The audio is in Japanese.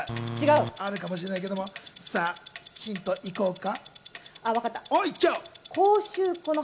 あるかもしれないけど、ヒント行こうか？